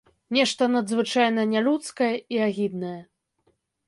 Нешта надзвычайна нялюдскае і агіднае.